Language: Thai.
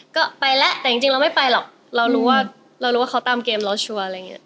ก็ไปแล้วแต่จริงเราไม่ไปหรอกเรารู้ว่าเรารู้ว่าเขาตามเกมเราชัวร์อะไรอย่างนี้